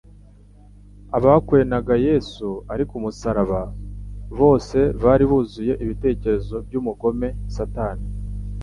Abakwenaga Yesu ari ku musaraba, bose bari buzuye ibitekerezo by'umugome Satani.